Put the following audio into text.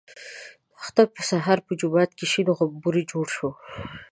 د اختر په سهار په جومات کې شین غومبر جوړ شو.